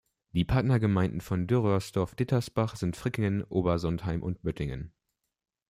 Die Partnergemeinden von Dürrröhrsdorf-Dittersbach sind Frickingen, Obersontheim und Böttingen.